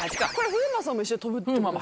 風磨さんも一緒に跳ぶってこと？